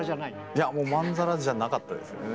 いやもうまんざらじゃなかったですよね。